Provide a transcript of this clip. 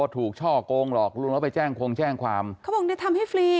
ช่อกงหลอกลวงแล้วไปแจ้งคงแจ้งความเขาบอกเนี่ยทำให้ฟรี